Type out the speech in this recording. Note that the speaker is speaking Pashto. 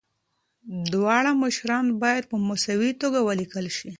دواړه مشران باید په مساوي توګه ولیکل شي.